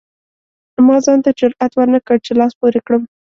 ما ځان ته جرئت ورنکړ چې لاس پورې کړم.